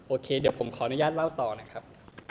โอเคเดี๋ยวผมขออนุญาตเล่าต่อหน่อยครับ